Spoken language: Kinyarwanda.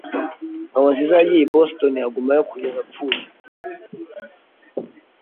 Ngabonziza yagiye i Boston agumayo kugeza apfuye.